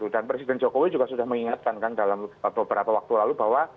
dan presiden jokowi juga sudah mengingatkan kan dalam beberapa waktu lalu bahwa